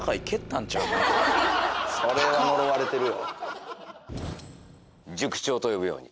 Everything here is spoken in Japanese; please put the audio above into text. それは呪われてるよ。